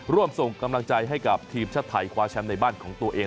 ร่วมส่งกำลังใจให้กับทีมชาติไทยคว้าแชมป์ในบ้านของตัวเอง